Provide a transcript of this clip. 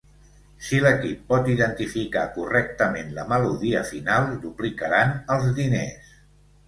Si l'equip pot identificar correctament la melodia final, duplicaran els diners.